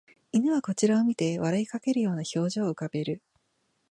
犬はこちらを見て笑いかけるような表情を浮かべる